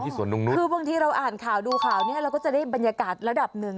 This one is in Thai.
คือบางทีเราอ่านข่าวดูข่าวนี้เราก็จะได้บรรยากาศระดับหนึ่ง